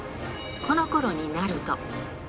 このころになると。